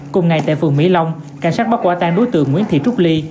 cùng ngày tại phường mỹ long cảnh sát bắt quả tang đối tượng nguyễn thị trúc ly